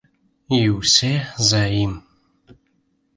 І ўсе за ім.